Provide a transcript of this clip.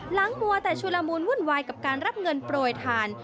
มัวแต่ชุลมูลวุ่นวายกับการรับเงินโปรยทาน